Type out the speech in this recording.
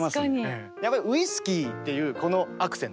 やっぱり「ウイスキー」っていうこのアクセント。